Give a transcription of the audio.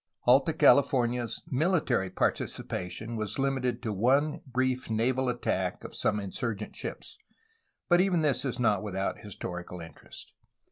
Alta CaUfornia's miUtary participation was Umited to one brief naval attack of some insurgent ships, but even this is not without historical interest.